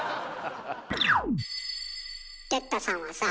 哲太さんはさぁ。